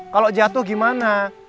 kalau jatuh gimana